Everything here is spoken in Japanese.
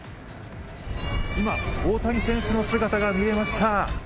今、大谷選手の姿が見えました。